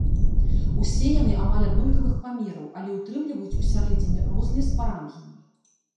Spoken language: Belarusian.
Усе яны амаль аднолькавых памераў, але ўтрымліваюць усярэдзіне розныя спарангіі.